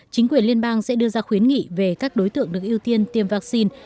chính quyền liên bang sẽ đưa ra khuyến nghị về các đối tượng được ưu tiên tiêm vaccine